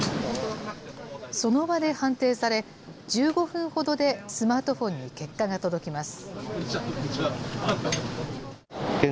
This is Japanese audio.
その場で判定され、１５分ほどでスマートフォンに結果が届きます。